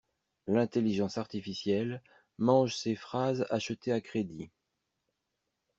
L'intelligence artificielle mange ces phrases achetées à crédit.